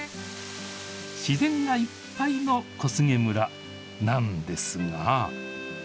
自然がいっぱいの小菅村なんですが。